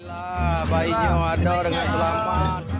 alhamdulillah bayinya wadah orangnya selamat